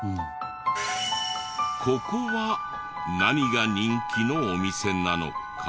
ここは何が人気のお店なのか？